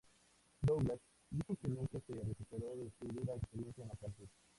Douglas dijo que nunca se recuperó de su dura experiencia en la cárcel.